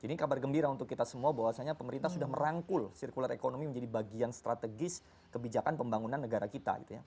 jadi kabar gembira untuk kita semua bahwasanya pemerintah sudah merangkul circular economy menjadi bagian strategis kebijakan pembangunan negara kita